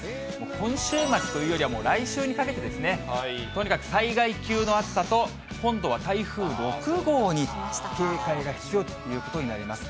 今週末というよりはもう来週にかけてですね、とにかく災害級の暑さと、今度は台風６号に警戒が必要ということになります。